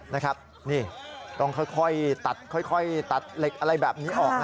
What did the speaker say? นี่ต้องค่อยตัดเล็กอะไรแบบนี้ออก